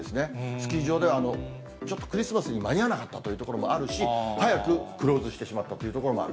スキー場ではちょっとクリスマスに間に合わなかったという所もあるし、早くクローズしてしまったという所もある。